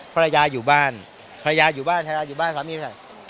ภรรยาอยู่บ้านภรรยาอยู่บ้านภรรยาอยู่บ้านสามีไม่ใช่